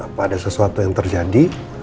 apa ada sesuatu yang terjadi